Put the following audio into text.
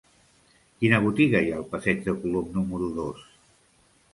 Quina botiga hi ha al passeig de Colom número dos?